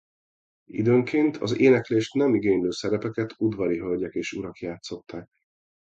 Időnként az éneklést nem igénylő szerepeket udvari hölgyek és urak játszották.